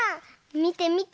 みてみて。